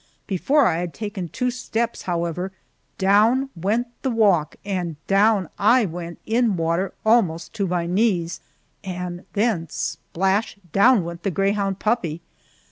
Before I had taken two steps, however, down went the walk and down I went in water almost to my knees, and then splash down went the greyhound puppy!